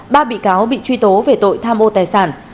ba bị cáo bị truy tố về tội tham ô tài sản